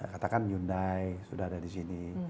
katakan hyundai sudah ada di sini